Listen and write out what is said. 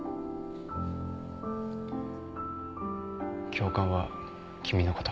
教官は君のこと。